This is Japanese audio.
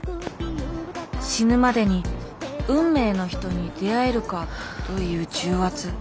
死ぬまでに「運命の人に出会えるか」という重圧。